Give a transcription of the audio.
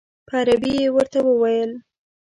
په عربي یې ورته وویل.